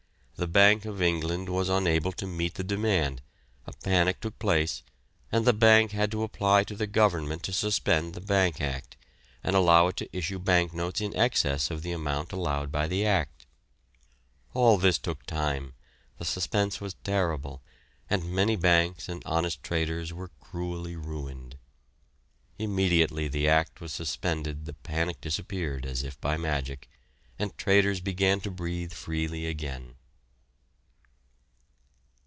The Bank of England was unable to meet the demand a panic took place, and the bank had to apply to the Government to suspend the Bank Act, and allow it to issue bank notes in excess of the amount allowed by the Act. All this took time, the suspense was terrible, and many banks and honest traders were cruelly ruined. Immediately the Act was suspended the panic disappeared as if by magic, and traders began to breathe freely again.